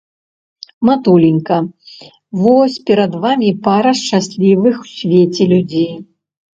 Матуленька, вось перад вамі пара шчаслівых у свеце людзей.